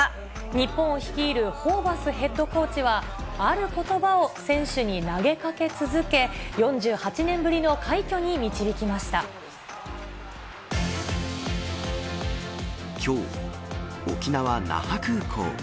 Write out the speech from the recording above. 日本を率いるホーバスヘッドコーチは、あることばを選手に投げかけ続け、きょう、沖縄・那覇空港。